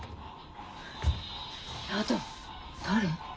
やだ誰？